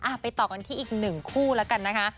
เอ่อไปต่อกันที่อีก๑คู่แล้วกันนะคะ